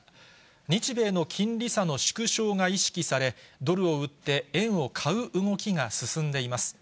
日米の金利差の縮小が意識され、ドルを売って円を買う動きが進んでいます。